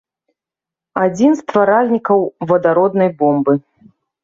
Адзін з стваральнікаў вадароднай бомбы.